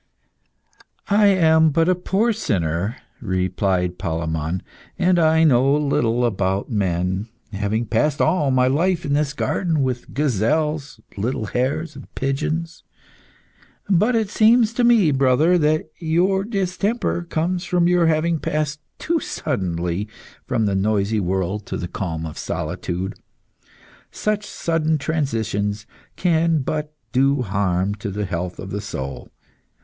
"I am but a poor sinner," replied Palemon, "and I know little about men, having passed all my life in this garden, with gazelles, little hares and pigeons. But it seems to me, brother, that your distemper comes from your having passed too suddenly from the noisy world to the calm of solitude. Such sudden transitions can but do harm to the health of the soul.